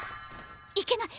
いけない！